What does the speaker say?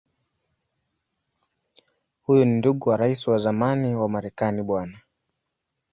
Huyu ni ndugu wa Rais wa zamani wa Marekani Bw.